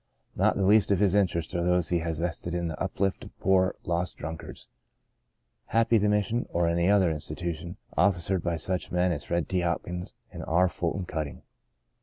Not the least of his interests are those he has vested in the uplift of poor, lost drunkards. Happy the Mission (or any other institution) officered by such men as Ferd. T. Hopkins and R. Fulton Cutting.